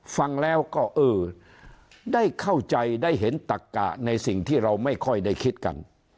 ฟังแล้วก็เออได้เข้าใจได้เห็นตักกะในสิ่งที่เราไม่ค่อยได้คิดกัน